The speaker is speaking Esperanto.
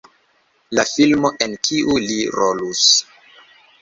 la filmo en kiu li rolus